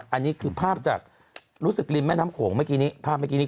อันนี้คือภาพจากรู้สึกริมแม่น้ำโขงเมื่อกี้นี้